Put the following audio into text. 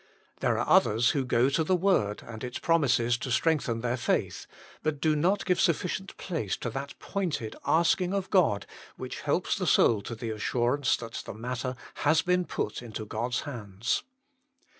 There are others who go to the Word and its promises to strengthen their faith, but do not give sufficient place to that pointed asking of God which THE SECRET OP EFFECTUAL PRAYER 109 helps the soul to the assurance that the matter has been put into God s hands.